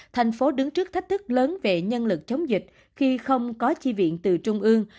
thành phố đứng trước thách thức lớn về nhân lực chống dịch khi không có chi viện từ trung ương